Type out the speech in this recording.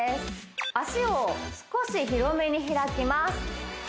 脚を少し広めに開きます